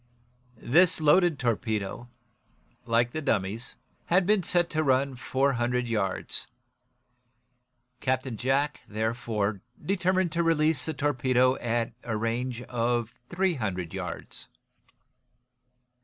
This loaded torpedo, like the dummies, had been set to run four hundred yards. Captain Jack, therefore, determined to release the torpedo at a range of three hundred yards.